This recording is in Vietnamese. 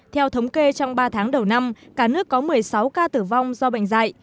theo thống kê trong ba tháng đầu năm cả nước có một mươi sáu ca tử vong do bệnh dạy